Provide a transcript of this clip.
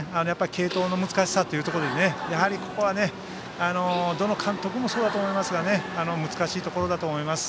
継投の難しさというところでここはどの監督もそうだと思いますが難しいところだと思います。